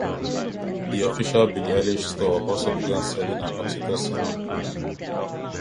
The official Billie Eilish store also began selling an "Oxytocin" hoodie.